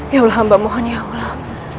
ya allah mbak mohon ya allah